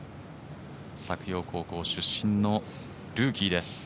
作陽高校出身のルーキーです。